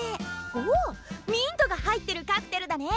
おっミントが入ってるカクテルだね！